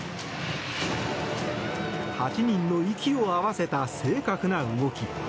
８人の息を合わせた正確な動き。